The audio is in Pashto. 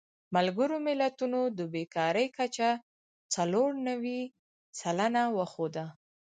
ملګرو ملتونو د بېکارۍ کچه څلور نوي سلنه وښوده.